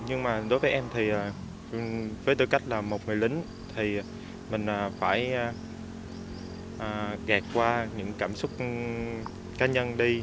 nhưng mà đối với em thì với tư cách là một người lính thì mình phải gạt qua những cảm xúc cá nhân đi